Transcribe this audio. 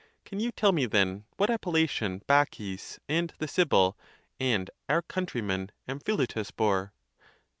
Can you tell me then, what appellation Bacis,? and the Sibyl,* and our countryman Amphilytus,> bore?